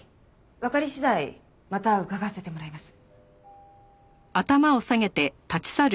わかり次第また伺わせてもらいます。